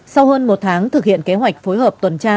sau hơn một tháng thực hiện kế hoạch phối hợp tuần tra